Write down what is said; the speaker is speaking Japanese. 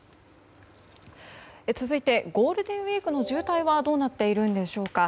続いてゴールデンウィークの渋滞はどうなっているんでしょうか。